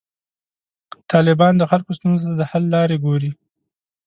طالبان د خلکو ستونزو ته د حل لارې ګوري.